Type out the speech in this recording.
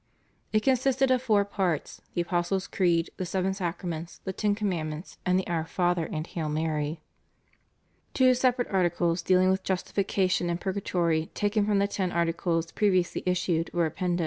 It consisted of four parts, the Apostle's Creed, the Seven Sacraments, the Ten Commandments, and the Our Father and Hail Mary. Two separate articles dealing with justification and purgatory taken from the Ten Articles previously issued were appended.